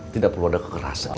tidak perlu ada kekerasan